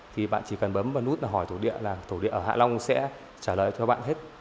thì bạn chỉ cần bấm vào nút hỏi tổ địa là tổ địa ở hạ long sẽ trả lời cho bạn hết